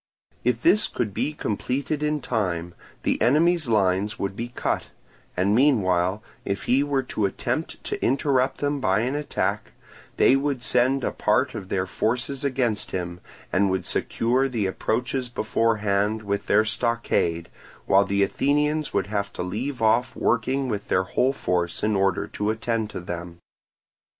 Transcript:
If this could be completed in time, the enemy's lines would be cut; and meanwhile, if he were to attempt to interrupt them by an attack, they would send a part of their forces against him, and would secure the approaches beforehand with their stockade, while the Athenians would have to leave off working with their whole force in order to attend to them.